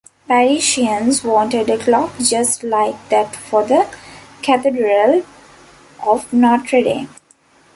Parisians wanted a clock just like that for the Cathedral of Notre Dame.